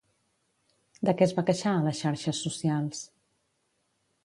De què es va queixar a les xarxes socials?